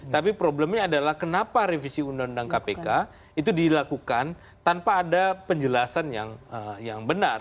tapi problemnya adalah kenapa revisi undang undang kpk itu dilakukan tanpa ada penjelasan yang benar